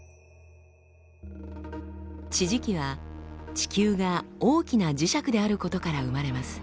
地磁気は地球が大きな磁石であることから生まれます。